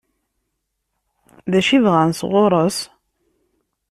D acu i bɣan sɣur-s?